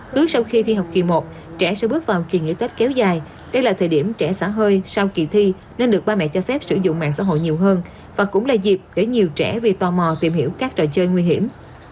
cứ sau khi thi học kỳ một trẻ sẽ bước vào kỳ nghỉ tết kéo dài đây là thời điểm trẻ xả hơi sau kỳ thi nên được ba mẹ cho phép sử dụng mạng xã hội nhiều hơn và cũng là dịp để nhiều trẻ vì tò mò tìm hiểu các trò chơi nguy hiểm